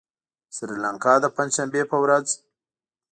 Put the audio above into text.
سريلانکا د پنجشنبې په ورځ